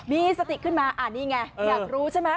มีสติขึ้นมานี่ไงอยากรู้ใช่ไหม